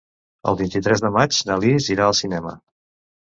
El vint-i-tres de maig na Lis irà al cinema.